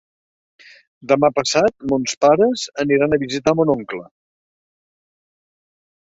Demà passat mons pares aniran a visitar mon oncle.